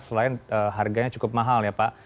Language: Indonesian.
selain harganya cukup mahal ya pak